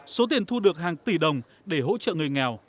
số tiền thu được hàng tỷ đồng để hỗ trợ người nghèo